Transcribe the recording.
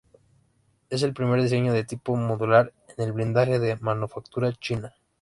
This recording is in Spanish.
Es el primer diseño de tipo modular en el blindaje de manufactura china.